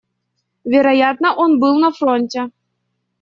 Вероятно, он был на фронте.